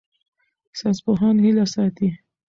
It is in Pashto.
ساینسپوهان هیله ساتي.